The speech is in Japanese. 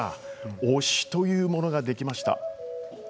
推しというものができました。